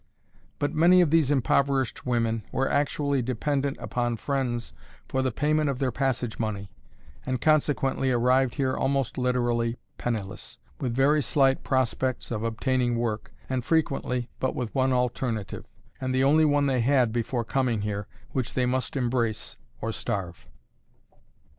But many of these impoverished women were actually dependent upon friends for the payment of their passage money, and consequently arrived here almost literally penniless, with very slight prospects of obtaining work, and frequently with but one alternative, and the only one they had before coming here, which they must embrace or starve.